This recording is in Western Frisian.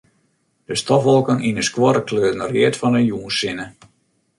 De stofwolken yn 'e skuorre kleuren read fan de jûnssinne.